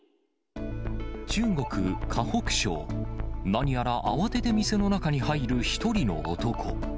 何やら慌てて店の中に入る一人の男。